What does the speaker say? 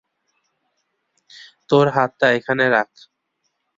তোর হাতটা এখানে রাখ।